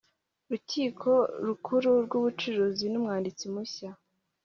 rukiko rukuru rw ubucuruzi n umwanditsi mushya